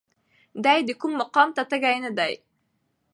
دی د کوم مقام تږی نه دی.